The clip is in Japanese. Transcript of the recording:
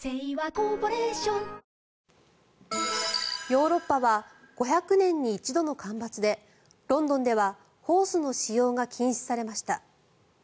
ヨーロッパは５００年に一度の干ばつでロンドンではホースの使用が禁止されました。